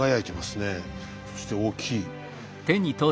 そして大きい。